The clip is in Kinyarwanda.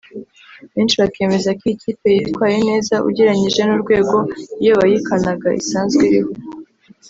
benshi bakemeza ko iyi kipe yitwaye neza ugereranyije n’urwego iyo bayikanaga isanzwe iriho